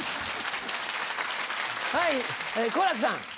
はい好楽さん。